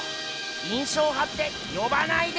印象派って呼ばないで！